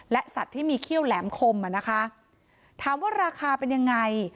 และสัตว์ที่มีเขี้ยวแหลมคมอ่ะนะคะถามว่าราคาเป็นยังไง